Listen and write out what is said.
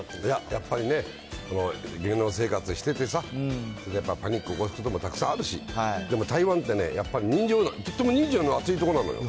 やっぱりね、芸能生活しててさ、やっぱパニック起こすこともたくさんあるし、でも台湾ってね、やっぱりとっても人情の厚い所なのよ。